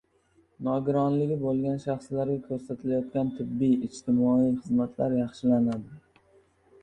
Nogironligi bo‘lgan shaxslarga ko‘rsatilayotgan tibbiy-ijtimoiy xizmatlar yaxshilanadi